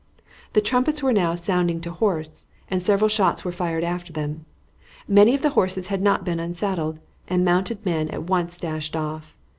The trumpets were now sounding to horse, and several shots were fired after them. Many of the horses had not been unsaddled, and mounted men at once dashed off.